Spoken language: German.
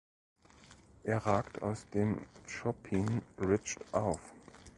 Er ragt aus dem Chopin Ridge auf.